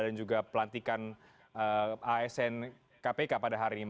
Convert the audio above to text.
dan juga pelantikan asn kpk pada hari ini